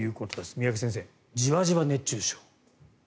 三宅先生、じわじわ熱中症。